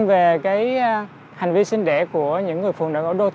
về cái hành vi sinh đẻ của những người phụ nữ